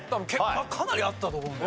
かなりあったと思うんで。